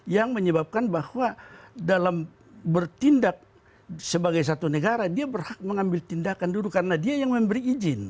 yang menyebabkan bahwa dalam bertindak sebagai satu negara dia berhak mengambil tindakan dulu karena dia yang memberi izin